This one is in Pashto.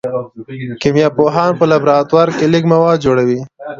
کیمیا پوهان په لابراتوار کې لږ مواد جوړوي.